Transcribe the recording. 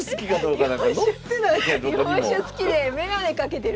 日本酒好きで眼鏡かけてる。